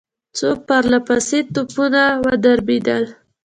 څو پرله پسې توپونه ودربېدل.